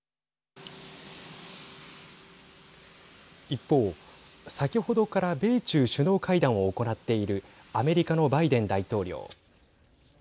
一方、先ほどから米中首脳会談を行っているアメリカのバイデン大統領。